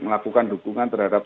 melakukan dukungan terhadap